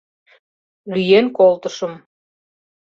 Лӱен колтышым.